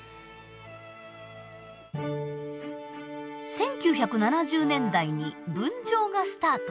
１９７０年代に分譲がスタート。